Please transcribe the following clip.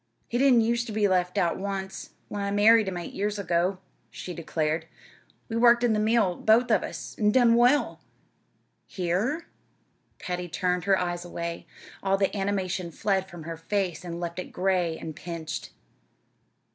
"He didn't used ter be left out, once when I married him eight years ago," she declared. "We worked in the mill both of us, an' done well." "Here?" Patty turned her eyes away. All the animation fled from her face and left it gray and pinched.